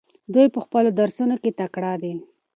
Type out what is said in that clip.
دوی په خپلو درسونو کې تکړه دي.